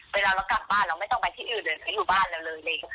เวลาเรากลับบ้านเราไม่ต้องไปที่อื่นเลยเขาอยู่บ้านเราเลย